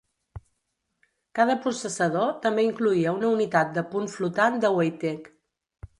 Cada processador també incloïa una unitat de punt flotant de Weitek.